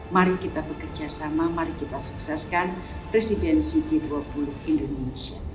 mari kita bekerja sama mari kita sukseskan presidensi g dua puluh indonesia